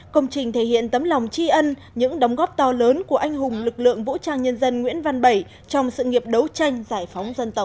công trình thể hiện tấm lòng tri ân những đóng góp to lớn của anh hùng lực lượng vũ trang nhân dân nguyễn văn bảy trong sự nghiệp đấu tranh giải phóng dân tộc